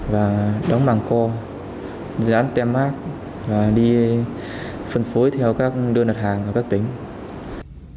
và đóng bằng co dán tem mát và đi phân phối theo các đơn đặt hàng ở các tỉnh